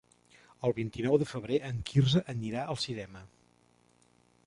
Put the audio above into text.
El vint-i-nou de febrer en Quirze anirà al cinema.